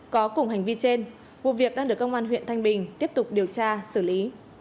có cùng hành vi trên vụ việc đang được công an huyện thanh bình tiếp tục điều tra xử lý